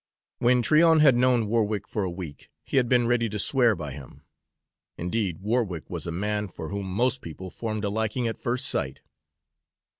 When Tryon had known Warwick for a week, he had been ready to swear by him. Indeed, Warwick was a man for whom most people formed a liking at first sight.